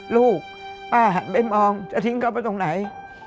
ลูกป้าหันไปมองจะทิ้งเขาไปตรงไหน